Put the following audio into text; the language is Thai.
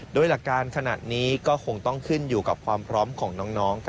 โดยหลักการขนาดนี้ก็คงต้องขึ้นอยู่กับความพร้อมของน้อง